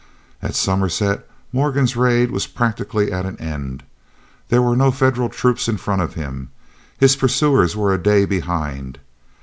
At Somerset Morgan's raid was practically at an end. There were no Federal troops in front of him; his pursuers were a day behind.